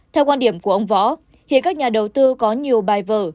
theo quan điểm của ông võ hiện các nhà đầu tư có nhiều bài vở